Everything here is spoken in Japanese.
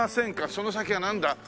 その先はなんだ？